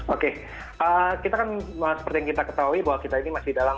oke kita kan seperti yang kita ketahui bahwa kita ini masih dalam